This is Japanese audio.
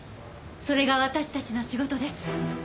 それが私たちの仕事です。